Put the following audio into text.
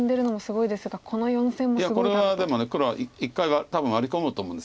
いやこれはでも黒は１回多分ワリ込むと思うんです